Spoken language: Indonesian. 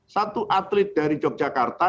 satu atlet dari yogyakarta